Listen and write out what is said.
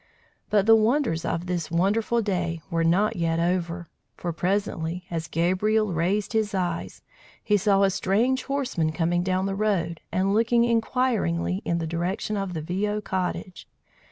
But the wonders of this wonderful day were not yet over; for presently, as Gabriel raised his eyes, he saw a strange horseman coming down the road and looking inquiringly in the direction of the Viaud cottage.